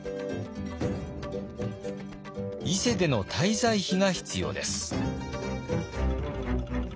伊勢での滞在費が必要です。